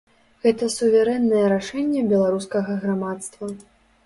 Гэта суверэннае рашэнне беларускага грамадства.